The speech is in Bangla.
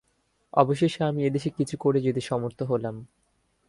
অবশেষে আমি এদেশে কিছু করে যেতে সমর্থ হলাম।